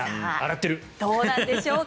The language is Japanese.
どうなんでしょうか。